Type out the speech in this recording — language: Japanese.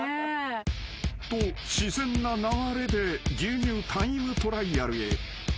［と自然な流れで牛乳タイムトライアルへ］